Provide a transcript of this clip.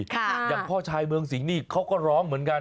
อย่างพ่อชายเมืองสิงห์นี่เขาก็ร้องเหมือนกัน